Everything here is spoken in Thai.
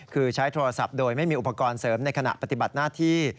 คือใช้โทรศัพท์โดยไม่มีอุปกรณ์เสริมในขณะปฏิบัติหน้าที่